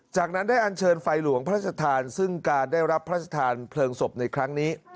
จากนั้นได้อันเชิญไฟหลวงพระราชทานซึ่งการได้รับพระราชทานเพลิงศพในครั้งนี้